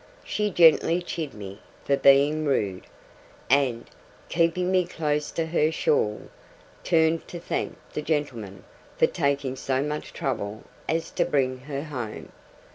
She gently chid me for being rude; and, keeping me close to her shawl, turned to thank the gentleman for taking so much trouble as to bring her home.